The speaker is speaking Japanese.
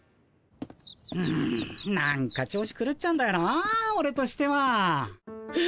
うんなんか調子くるっちゃうんだよなオレとしては。え？